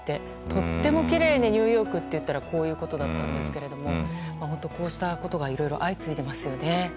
とてもきれいなニューヨークといったらこういうところだったんですけどこうしたことが相次いでますよね。